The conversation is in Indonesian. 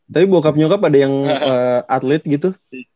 tapi bokapnya okap ada yang atlet gitu